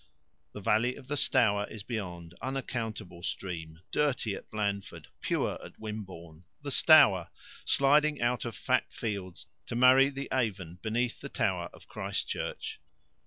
The valley of the Stour is beyond, unaccountable stream, dirty at Blandford, pure at Wimborne the Stour, sliding out of fat fields, to marry the Avon beneath the tower of Christchurch.